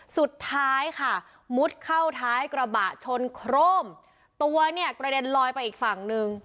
สุดท้ายค่ะมุดเข้าท้ายกระบะชนโครมตัวเนี่ยกระเด็นลอยไปอีกฝั่งหนึ่ง